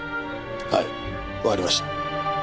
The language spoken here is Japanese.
はいわかりました。